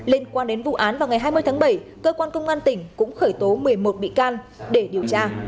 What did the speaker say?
liên quan đến vụ án vào ngày hai mươi tháng bảy cơ quan công an tỉnh cũng khởi tố một mươi một bị can để điều tra